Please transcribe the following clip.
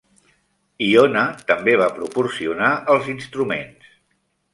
Iona també va proporcionar els instruments.